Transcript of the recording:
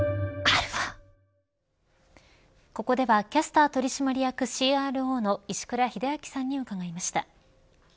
ここではキャスター取締役ＣＲＯの石倉秀明さんに伺いました。